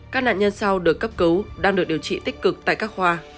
các nạn nhân sau được cấp cứu đang được điều trị tích cực tại các khoa